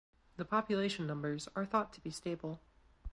The population numbers are thought to be stable.